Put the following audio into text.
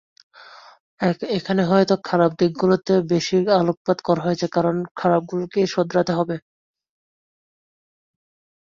এখানে হয়তো খারাপ দিকগুলোতে বেশি আলোকপাত করা হয়েছে কারণ খারাপগুলোকেই শোধারাতে হবে।